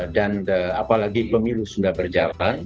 dan apalagi pemilu sudah berjalan